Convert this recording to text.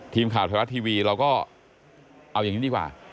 ทีมข่าวไทยรัฐทีวีเราก็เอาอย่างนี้ดีกว่า